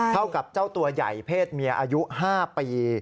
เท่ากับเจ้าตัวใหญ่เพศเมียอายุ๕ปี